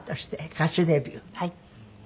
はい。